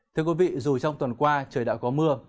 thưa quý vị dù trong tuần qua trời đã có mưa